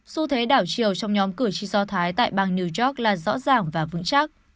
xu thế đảo chiều trong nhóm cử tri do thái tại bang new york là rõ ràng và vững chắc